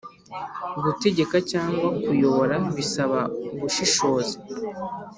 gutegeka cyangwa kuyobora bisaba ubushishozi